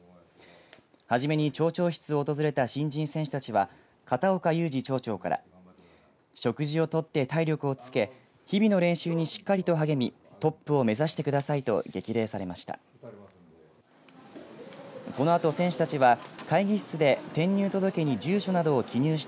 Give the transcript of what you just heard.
初めに町長室を訪れた新人選手たちは片岡雄司町長から食事を取って体力をつけ日々の練習にしっかりと励みトップを目指してくださいと激励されました。